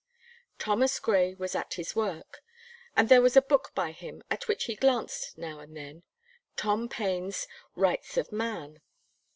Thomas Gray was at his work, and there was a book by him at which he glanced now and then, Tom Paine's "Rights of Man."